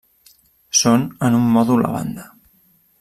Són en un mòdul a banda.